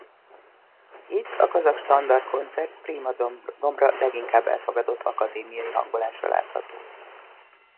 Itt a kazak standard koncert prima dombra leginkább elfogadott akadémiai hangolása látható.